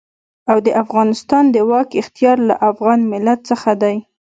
او د افغانستان د واک اختيار له افغان ملت څخه دی.